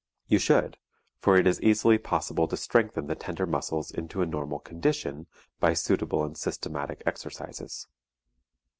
You should, for it is easily possible to strengthen the tender muscles into a normal condition by suitable and systematic exercises.